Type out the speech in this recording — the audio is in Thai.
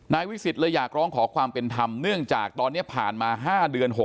นายวิสิทธิ์เลยอยากร้องขอความเป็นธรรมเนื่องจากตอนนี้ผ่านมา๕เดือน๖เดือนแล้ว